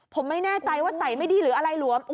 ผมไม่แน่ใจว่าใส่ไม่ดีหรืออะไรหลวม